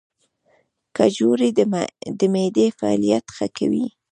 کجورې د معدې فعالیت ښه کوي.